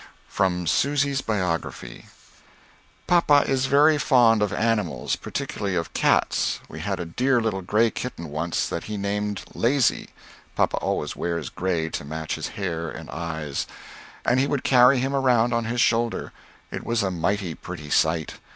From Susy's Biography. Papa is very fond of animals particularly of cats, we had a dear little gray kitten once that he named "Lazy" (papa always wears gray to match his hair and eyes) and he would carry him around on his shoulder, it was a mighty pretty sight!